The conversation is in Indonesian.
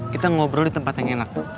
kita ngobrol di tempat yang enak